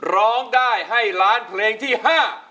ร้องได้ให้ล้านเพลงที่ห้า